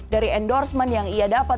dari endorsement yang ia dapat